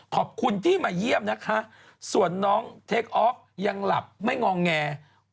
ขอบคุณที่มาเยี่ยมนะคะส่วนน้องเทคออฟยังหลับไม่งองแง